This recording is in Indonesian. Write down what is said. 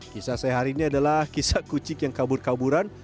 kisah saya hari ini adalah kisah kucing yang kabur kaburan